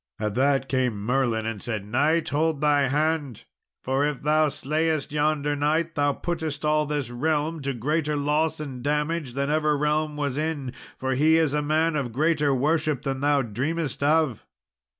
At that came Merlin and said, "Knight, hold thy hand, for if thou slayest yonder knight, thou puttest all this realm to greater loss and damage than ever realm was in; for he is a man of greater worship than thou dreamest of."